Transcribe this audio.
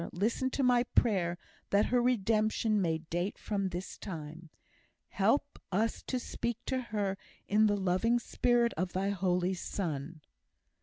listen to my prayer, that her redemption may date from this time. Help us to speak to her in the loving spirit of thy Holy Son!"